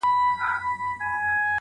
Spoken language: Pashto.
حقيقت ورو ورو پټيږي ډېر ژر,